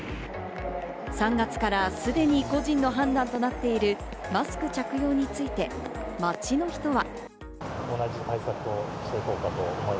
３月からすでに個人の判断となっているマスク着用について、街の人は。